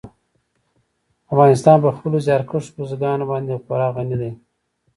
افغانستان په خپلو زیارکښو بزګانو باندې خورا غني دی.